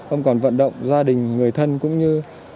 ông còn vận động gia đình người thân cũng như